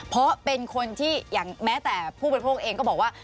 เพราะเป็นคนที่อย่างแม้แต่ผู้บริโภคเองก็บอกว่า